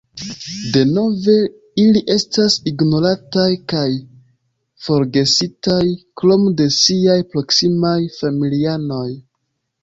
Denove, ili estas ignorataj kaj forgesitaj krom de siaj proksimaj familianoj.